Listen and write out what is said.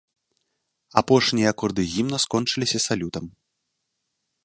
Апошнія акорды гімна скончыліся салютам.